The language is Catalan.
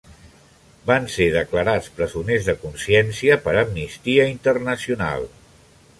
Van ser declarats presoners de consciència per Amnistia Internacional.